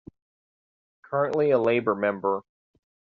Currently a Labour member.